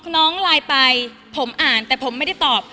น้องไลน์ไปผมอ่านแต่ผมไม่ได้ตอบ